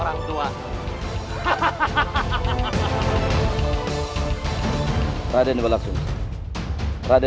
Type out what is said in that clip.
ya sudah ayanda